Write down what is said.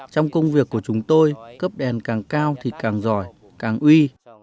trong công việc của chúng tôi cấp đèn càng cao thì càng giỏi càng uy